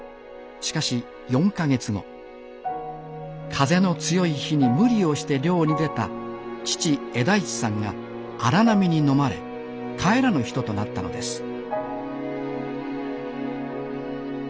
しかし４か月後風の強い日に無理をして漁に出た父・恵多一さんが荒波にのまれ帰らぬ人となったのです